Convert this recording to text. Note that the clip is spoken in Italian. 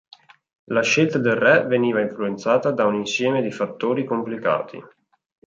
La scelta del re veniva influenzata da un insieme di fattori complicati.